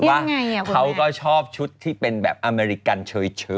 ว่าเขาก็ชอบชุดที่เป็นแบบอเมริกันเฉย